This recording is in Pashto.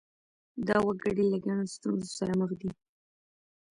دا وګړي له ګڼو ستونزو سره مخ دي.